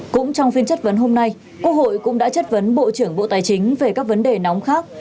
cũng trong phiên chất vấn hôm nay quốc hội cũng đã chất vấn bộ trưởng bộ tài chính về các vấn đề nóng khác